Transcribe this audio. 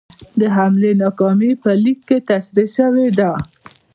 د حملې ناکامي په لیک کې تشرېح شوې ده.